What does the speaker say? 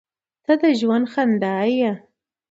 • ته د ژوند خندا یې.